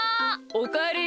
おかえり。